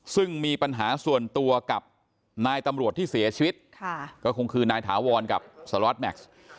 ซึ่งมีปัญหาส่วนตัวกับนายตำรวจที่เสียชีวิตก็คงคือนายถาวรกับสล็อตแม็กซ์